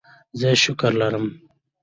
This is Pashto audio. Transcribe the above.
زه شکره لرم.